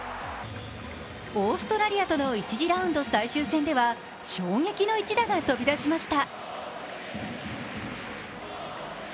オーストラリアとの１次ラウンド最終戦では衝撃の一打が飛び出しました。